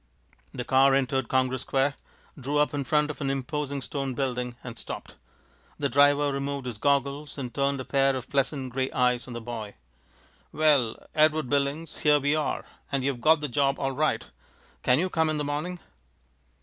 The car entered Congress Square, drew up in front of an imposing stone building, and stopped. The driver removed his goggles and turned a pair of pleasant gray eyes on the boy. "Well, Edward Billings, here we are, and you've got the job all right. Can you come in the morning?"